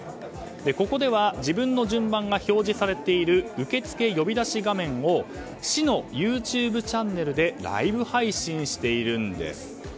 ここでは、自分の順番が表示されている受付呼び出し画面を市のＹｏｕＴｕｂｅチャンネルでライブ配信しているんです。